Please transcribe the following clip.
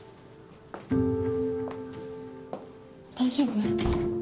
大丈夫？